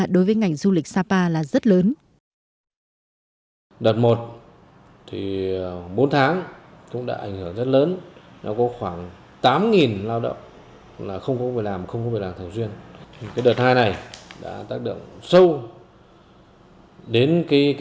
đối với ngành du lịch sapa là rất lớn